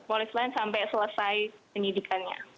polis lain sampai selesai penyidikannya